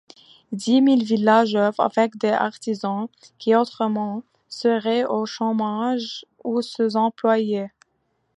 Dix Mille Villages œuvre avec des artisans, qui autrement, seraient au chômage ou sous-employés.